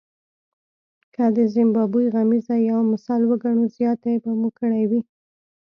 که د زیمبابوې غمیزه یو مثال وګڼو زیاتی به مو کړی وي.